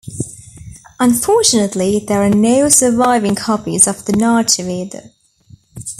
Unfortunately there are no surviving copies of the Natya Veda.